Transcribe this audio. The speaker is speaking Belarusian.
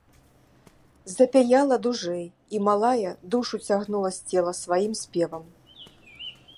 Запяяла дужэй, і, малая, душу цягнула з цела сваім спевам.